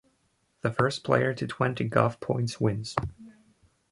The first player to twenty Goth points wins.